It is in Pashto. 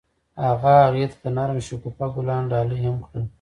هغه هغې ته د نرم شګوفه ګلان ډالۍ هم کړل.